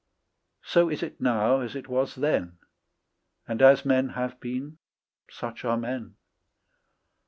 So is it now as it was then, And as men have been such are men.